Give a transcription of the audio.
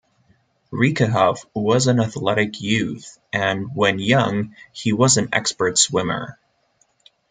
Rieckehoff was an athletic youth and when young he was an expert swimmer.